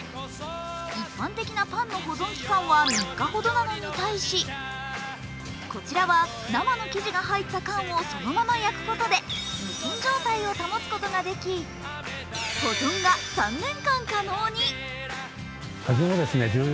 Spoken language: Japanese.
一般的なパンの保存期間は３日ほどなのに対しこちらは生の生地が入った缶をそのまま焼くことで無菌状態を保つことができ、保存が３年間可能に。